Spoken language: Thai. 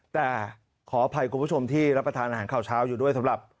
แต่ขออภัยคุณผู้ชมที่รับประทานอาหารข่าวเช้าอยู่ด้วยสำหรับ